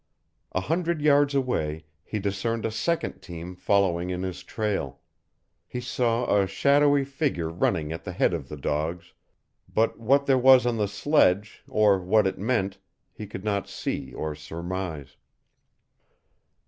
A hundred yards away he discerned a second team following in his trail; he saw a shadowy figure running at the head of the dogs, but what there was on the sledge, or what it meant, he could not see or surmise.